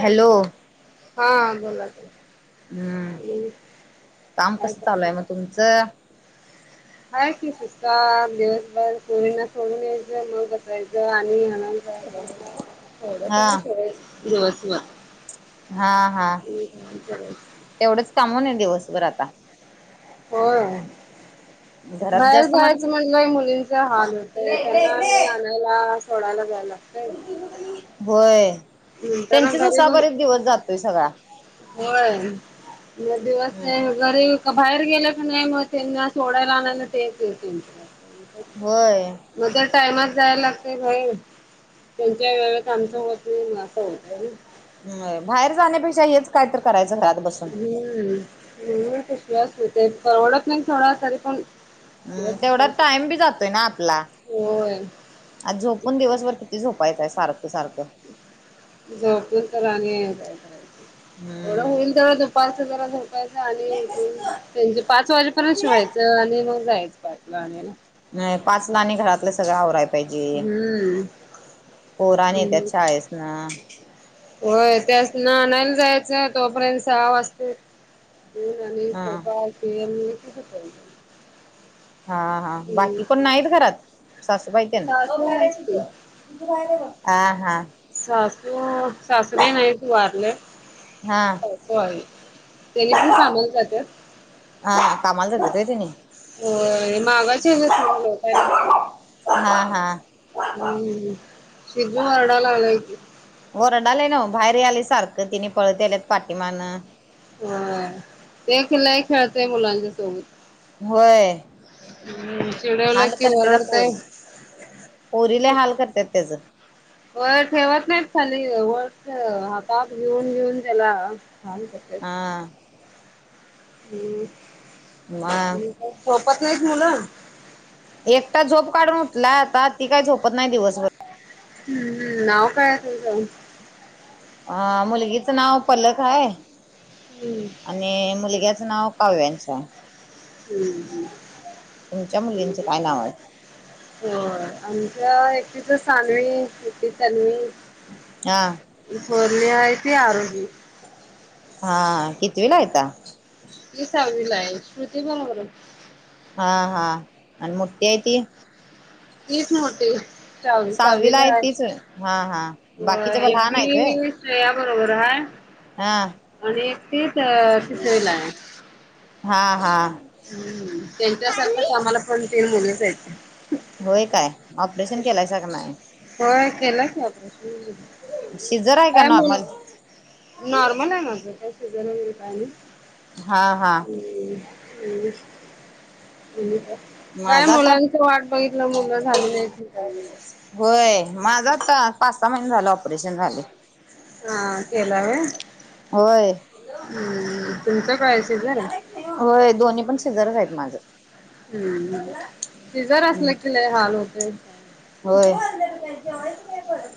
Hello हा बोला हुं काय काम कसं काय चालूय मग तुमचं? हाय की काम दिवसभर पोरींना सोडून यायचं मग बसायचं आणि आण हा [unintelligible] दिवसभर हा हा तेवढंच काम होय नाई दिवसभर आता? होय हो घरात बाहेर जास्त माणसं जायचं म्हणलंय मुलींचा हाल होतय त्यांना आणि आणाय ला सोडायला जाय लागतंय होय नंतर त्यांचीच घरी बस उसाबरीत दिवस जातोय सगळा. होय म दिवस आहे. घरी का बाहेर गेलं की नाही मग त्यांना सोडायला, आणायला ते एक होय मग तर टाइमात जायला लागतेय भय त्यांच्या वेळेस आमचं होत असं होतय बाहेर जाण्यापेक्षा हेच काय तर करायचं घरात बस हम्म क शवास हो ते परवडत नाही थोडा तरी पण शिवाय हम्म तेवढा सुचायचं काय. टाइम बी जातोय ना आपला होय आज झोपून दिवसभरती किती झोपायचं आहे सारखं सारखं झोपलं तर आणि कायय थोडं हम्म होईल तेव पाारच जरा झोपायच आणि उठून त्यांचे पाच वाजेपर्यंत शिवायचं आणि मग जायचं पाच गाले ना नाही पाचला आणि घरातलं सगळं आवराय पाहिजे हम्म पोराण त्या हम्म. छ आहेस ना होय त्यात नानायला जायचं तोपर्यंत सहा वाजते होय ह पाय क हा हा बाकी हम्म कोण नाहीत घरात सासूबाईत सासू आहेत की. ना हा हा सासू सासने नाही त वारले हा हो त्यानी पण साांमाल जात हा कमाल तर घेतय त हो मागाचे स लोकााला हा हा हम्म सिधू मरडाला आलाय क वरडालाय ना बाहेर आले सारखं तिने पळत आल्यात पाठीिमान हा ते खलाय खेळतय मुलांच्या सोबत होय हम् चिडवला हाल कि करत्याता वरडतय पोरी पोरी लय हाल करत्यात त्याच वय ठेवत नाहीत खली वळ हातात घेऊन घेऊन त्याला हा हां हम्म मग आणि सोपत नाहीत मुलं एकता झोप काढून उठला आता ती काही झोपत नाही दिवसभर हम्म हम् नाव कायच का हा मुलगीचं नाव पलक आहे हम्म आणि मुलग्याचं नाव काव्यांश आहे हम्म हम तुमच्या मुलींचे काय नाव आहे हो आमच्या एकटीच सनवी एकटी तनवी हा पोर्णी आहे त आरोगी हा कितीवी लायता क सावी ला आहे शमृती बंगर हा हा आणि मुठठी आहे ती कच नते वी सहावीला वीला आहे तीच हा हा बाकीच्या पण लहान आहेत व्हय आहेी श्रेया बरोबर आहेय हा आणि एक तेच पिसरीला आहे हा हा त्यांच्यासारखाच आम्हाला पण तीन मुलीच आहेत होय काय ऑपरेशन केलाय का नाही हो केलाच ऑपरेशन शिजर आहे का काय मुलं नॉर्मल नॉर्मल आहे माझं हा हा हम् ह् काय माझा आता मुलांच वाट बघितलं मुलं झालेली काय होय माझा पाच सहा महिने झाले ऑपरेशन झाले हा केला व होय हम् तुमचं कळच जरा होय दोन्ही पण शेजारच आहेत माझं हम्म तेि जर हम्म असलं तिला हाल होतेय होय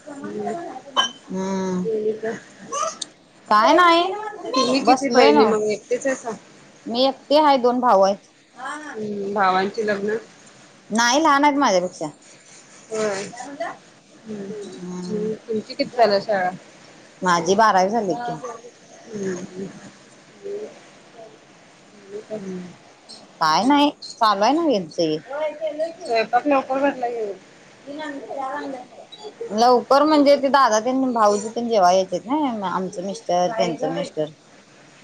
हम्म हम्म ठीक हाय काय नाही तुम्ही किती बसलोय बहिणी ना मग एकटीच हायसा मी एकटे आहेा दोन भाव आहेत भावांची लग्न नाही लहानत माझ्यापेक्षा ह हम् हम्म तुमची किती झालं शाळा माझी बारावी झालीे हम् हम् काय नाही चालू आहे ना वी सी स्वयंपाक लवकर भरला येेईल तन लवकर म्हणजे ते दादा त्यां भाऊजी त्यां जेव्हा यायचेत ना आमचं मिस्टर त्यांचं मिस्टर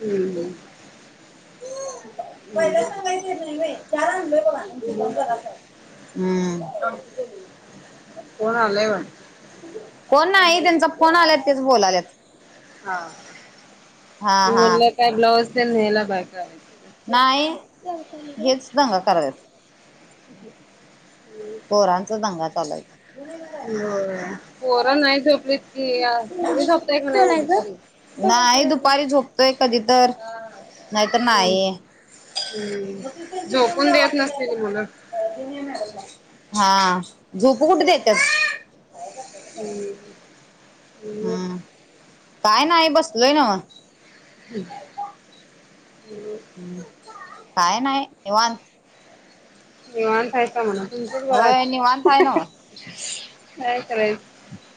हम्म पहिला सांगायचेत नाही बा चार लोक हम्म म्ह कोण आलाय बग कोण नाही त्यांचा कोण आल्यात तेच बोलालेत हा हा मी हा म्हटलं काय ब्लाऊज तेल नयला बाय करायच नाही हेच दांग करायच ह ह पोरांचा दंगा चालायच हो पोरं नाही झोपलीत की तुम्ही झोपताय का नाही म्हटलं नाही दुपारी झोपतोय कधी तर नाहीत हम्म, नाही हम्म. झोपून देत नसतील मुलं. हा झूपू कुठे देतच हम्म हम्म काय नाही बसलोय ना मग ह काय नाही निवांत निवांत आहे का म्हणा तुमचंच बरं होय निवांत आहे हा हा नव्ह काय करायला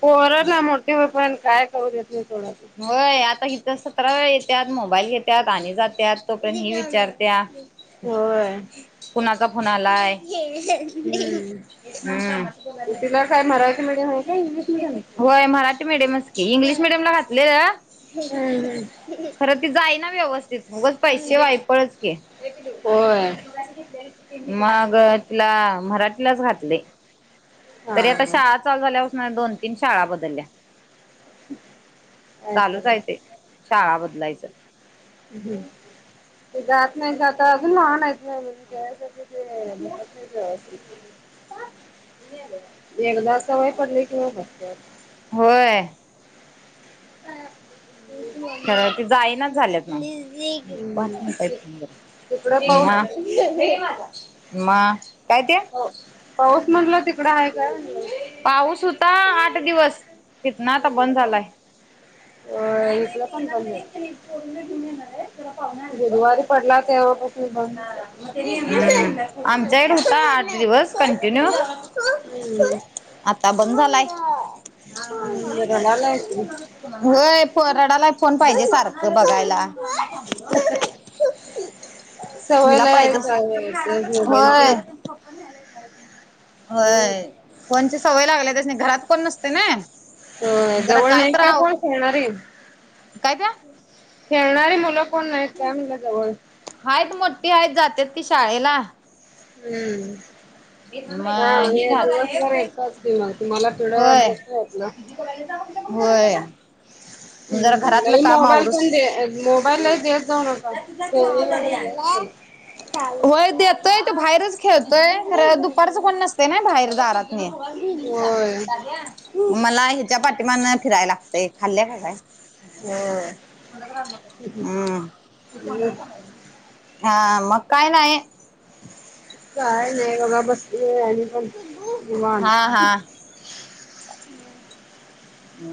पोराला मोटे होय पण काय करू देत नाही थोडं होय आता इथ सतरा वेळ येतात मोबाईल घेत्याात आणि जात्या तोपर्यंत मी विचारत्या होय. कुणाचा फोन आलाय हम्म तिला काय मराठी मीडियम आहे का इंग्लिश मीडियम? [unintelligible] होय मराठी मिीडियमच की इंग्लिश मिीडियम ला घातले र. हम्म हम्म खरं ती जाई ना व्यवस्थित मगच पैसे वायपळच के हो. मग तिला मराठीलाच घातलेय. हा तरी आता हा शाळा चालू झाल्यापासून दोन तीन शाळा बदलल्या. काय चालूचय ते करायच शाळा बदलायचं. हम्म आत नाही जात अगूनणयत ह म्हन कायत ते जास्ती तनले. एकदा सवय पडली कि नाही फक्त होय ते जायनाच झाल्यात पझ हम्म ति- पाट तिकडं पाऊस म काय ते पाऊस म्हटलं तिकड आहे का पाऊस होता आठ दिवस तिथ ना आता बंद झालाय अ नाही इकडं नाही पण बंद नाही ले येणार आहे त्याला पाव बुधुवारी पडला तेव तस बधच ह आमच्याकड होता आठ दिवस कंटिन्यू हम्म. आता बंद झालाय. हम्म रडालाय की होय परडाला फोन पाहिजे सारखं बघायला. सवय हिला लय पाहिच चालू मोबाईलची होय. हम्म होय कोणची सवय लागल्या त्याच नाही घरात कोण नसते ना. जरा जवळ नाही का कोण खेळणारी कायत्या खेळणारी मुलं कोण नाही काय मुलं जवळ आहेत मोठठी आहेत जातेत ती शाळेला हम्म. मग ही हा राहत दिवसभर एककाच त मग तुम्हाला चिडवत जास वात ना. हो. जरा हम्म घरातलं लई मोबाईल कामावरस पण दे मोबाईल लई देत जाऊ नका खेळणी वगैरे द्यायची सोडा वय देतोय त बाहेरच खेळतोय दुपारचं कोण नसत ना बाहेर दारात नाही. होय मला हिच्या पाठीमा फिरायला लागतय खाल्ल का काय? हम्. हम्म हा मग काय नाही. काय नाही बघा बस पण दिवान ह हा.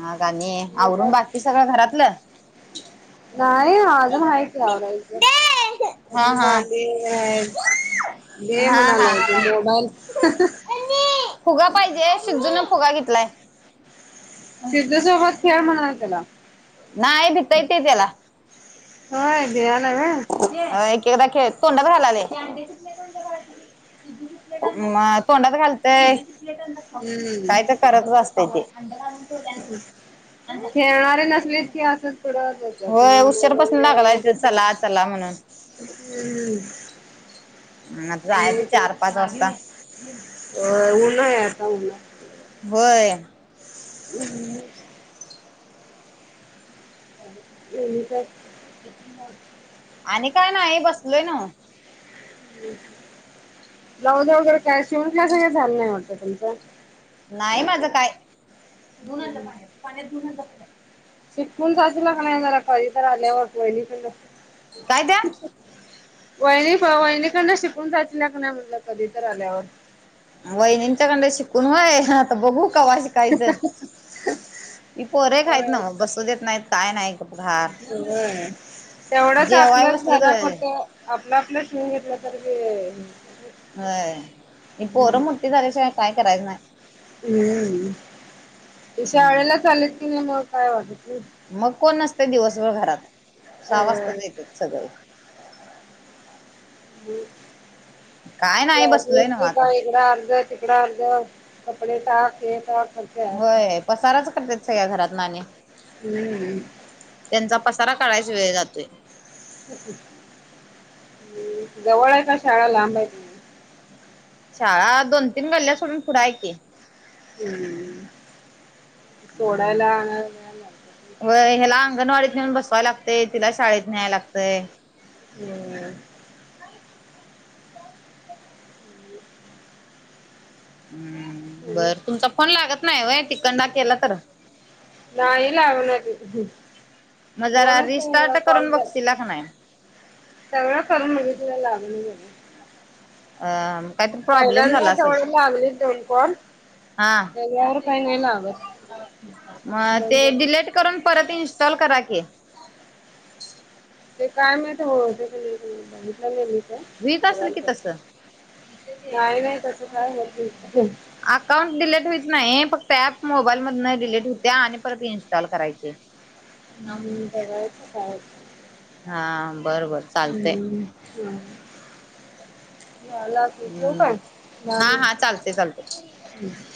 ना गाणी आणि आवरून काय बाकीकी सगळं घरातलं. नाही अजून आहेयतीरायच हा अजून हा भाले घ हा हा म्हणालाय त मोबाईल फुगा पाहिजे सिद्धून फुगा घेतलाय. शिजसोबत खेळ म्हणा त्याला नाही भितय ते त्याला हो बया ना ना. अ एकताख धुंड ब खालाले म तोंडाात घालतय. हम्म. करत असत ते खेळणारे नसलेतक अस. हो उशरपासून लाागलायच चला चला म्हणून हम्म. ह आता जायच चार पाच वाजता हो उऊन येताला होय हम्म ह नाही तर आणि काय ना बसलोय ना जाऊ जा वगैरे काय शिवून क असं काही झालं नाही वाटतं तुमच नाही माझं काय धुनाचं पाण्यात पाण्यात धुनाच शिकून साजला क नाही जरा कधी तर आल्यावर पहिली पण काय द्या वैन वैनिकांना शिकून साचल्या क नाही म्हणलं कधी तर आल्यावर वईनींच्याकंड शिकून वय हा बघू कवा शिकायचं ही पोरे एक हायत होय. नव्ह बसू देत नाहीत काय नाही गप घार होय तेवढंच जेवाय आपलंच बसलं तर घरापुरतं आपलं आपलं शिवुन घेतलं तर बी ही पोर मोठी झाल्या शिवाय काय करायचं नाय हम्म ते शाळेला चालतील ना मग काय वाटत नई मग कोण नसतय दिवसभर घरात सहा होय. वाजताच येतात सगळी काय नाही बसलोय नव्ह [unintelligible] आता. इकड अर्ध कपडे टाक हे टाक करत्यात. होय पसाराच करत्यात सगळ्या घरातनी त्यांचा पसारा काढायच वेळ जातोय हम जवळ आहे का शाळा लांबाय शाळा दोन तीन गल्ल्या सोडून पुढ हाय की हम् सोडयला होय ह्याला अंगणवाडीत नेऊन बसवाय लागतेय तिला शाळेत न्याय लागतय होय हम्म बर तुमचा फोन लागत नाही व्हय तिकडन केला तर नाही लावणार मग जरा दोनच रिस्टार्ट करून कॉल झाला बघशीला का नाही सगळ करून बघितल लागण झालाय अं काहीतरी प्रॉब्लेम पहिल्यांदा झाला असल तेवढे लागले दोन कॉल हा त्याच्यावर काही नाही लागत. [unintelligible] बंद ते होते. डिलेट करून परत इन्स्टॉल करा की ते काय माहित होतय काय नई होईत असेल [unintelligible] की ब तसं. नाही नाही तस काय होत नई अकाउंट डिलीट होईत नाही फक्त ऍप मोबाईल मदन डिलीट होते आणि परत इन्स्टॉल करायचे [inaudible] हम्म बगायच काय होतय हा बर बर चालतय ह झाला की ठेवू काय? हम्म दहा हा हा मिनिट चालते चालते [inaudible]